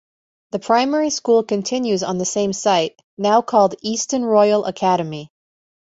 The primary school continues on the same site, now called Easton Royal Academy.